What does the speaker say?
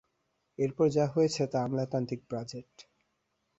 এরপর যা হয়েছে, তা আমলাতান্ত্রিক বাজেট।